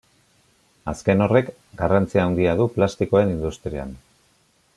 Azken horrek garrantzi handia du plastikoen industrian.